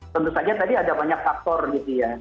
tentu saja tadi ada banyak faktor gitu ya